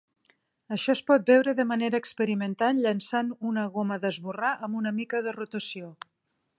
Això es pot veure de manera experimental llençant una goma d'esborrar amb una mica de rotació.